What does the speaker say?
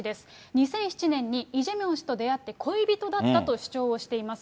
２００７年にイ・ジェミョン氏と出会って、恋人だと主張をしています。